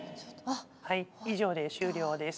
はい以上で終了です。